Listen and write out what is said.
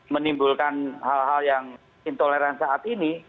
menimbulkan hal hal yang intoleran saat ini